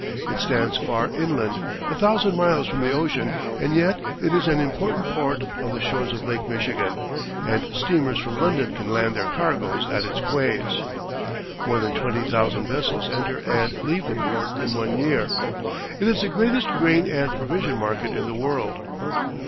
It stands far inland, a thousand miles from the ocean, and yet it is an important port on the shores of Lake Michigan, and steamers from London can land their cargoes at its quays. More than twenty thousand vessels enter and leave the port in one year. It is the greatest grain and provision market in the world.